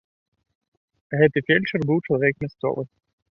Гэты фельчар быў чалавек мясцовы.